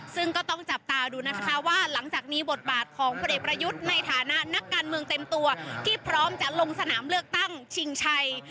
ซึ่งก็ต้องจับตาดูนะคะว่าหลังจากนี้บทบาทของพลเอกประยุทธ์ในฐานะนักการเมืองเต็มตัวที่พร้อมจะลงสนามเลือกตั้งชิงชัย